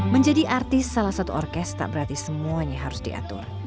menjadi artis salah satu orkes tak berarti semuanya harus diatur